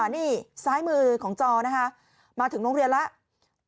นี่ซ้ายมือของจอนะคะมาถึงโรงเรียนแล้ว